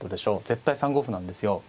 絶対３五歩なんですよ。